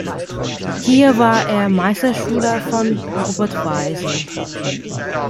Hier war er Meisterschüler von Robert Weise.